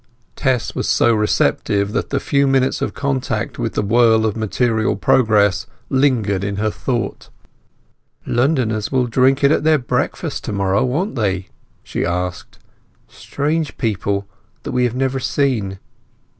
Tess was so receptive that the few minutes of contact with the whirl of material progress lingered in her thought. "Londoners will drink it at their breakfasts to morrow, won't they?" she asked. "Strange people that we have never seen."